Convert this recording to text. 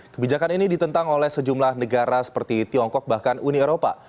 kebijakan ini ditentang oleh sejumlah negara seperti tiongkok bahkan uni eropa